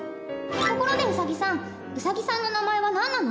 ところでウサギさんウサギさんの名前は何なの？